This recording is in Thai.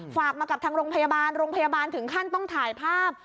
ฝากมากับทางโรงพยาบาลโรงพยาบาลถึงขั้นต้องถ่ายภาพ